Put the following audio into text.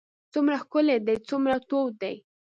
څومره ښکلی دی څومره تود دی.